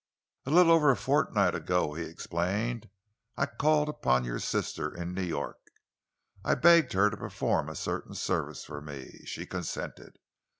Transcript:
"A little over a fortnight ago," he explained, "I called upon your sister in New York. I begged her to perform a certain service for me. She consented.